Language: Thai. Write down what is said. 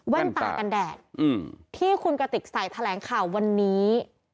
ตากันแดดที่คุณกติกใส่แถลงข่าววันนี้